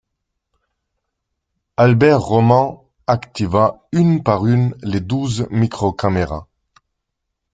Albert Roman activa une par une les douze micro-caméras